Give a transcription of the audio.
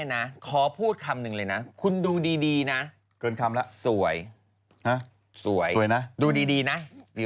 โอ้โหโคลสเข้าไปสิ